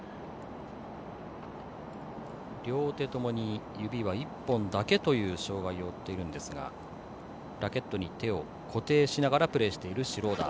両手ともに腕は１本だけという障がいを負っているんですがラケットに手を固定しながらプレーしているシュローダー。